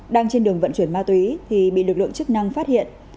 đang trên đường vận chuyển ma túy thì bị lực lượng chức năng phát hiện